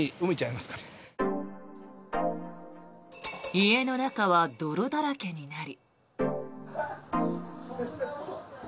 家の中は泥だらけになり。